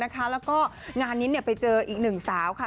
แล้วก็งานนี้ไปเจออีกหนึ่งสาวค่ะ